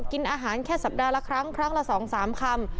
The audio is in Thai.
กินอาหารแค่สัปดาห์ละครั้งครั้งละ๒๓คำ